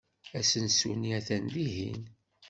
Asensu-nni atan dihin.